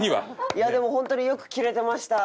いやでもホントによく切れてました。